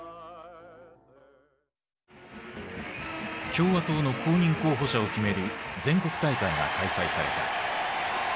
共和党の公認候補者を決める全国大会が開催された。